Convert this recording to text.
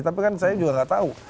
tapi kan saya juga nggak tahu